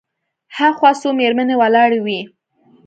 هاخوا څو مېرمنې ولاړې وې.